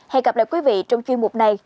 hẹn gặp lại quý vị trong chuyên mục này